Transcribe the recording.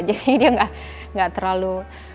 jadi dia nggak terlalu